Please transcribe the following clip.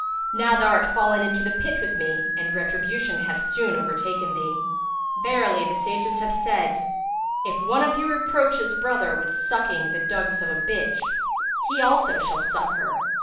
Now thou art fallen into the pit with me and retribution hath soon overtaken thee. Verily, the sages have said, 'If one of you reproach his brother with sucking the dugs of a bitch, he also shall suck her.'